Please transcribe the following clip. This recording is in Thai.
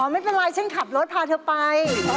ไม่เป็นไรฉันขับรถพาเธอไป